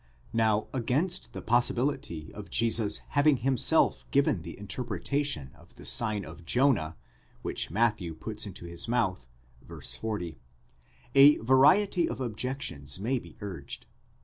Now against the possibility of Jesus having himself given the interpretation of the sign of Jonah which Matthew puts into his mouth, v. 40, a variety of objections may be urged.